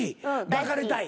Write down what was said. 抱かれたい。